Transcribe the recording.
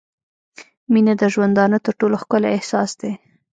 • مینه د ژوندانه تر ټولو ښکلی احساس دی.